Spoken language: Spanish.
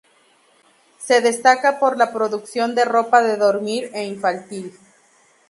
Se destaca por la producción de ropa de dormir e infantil.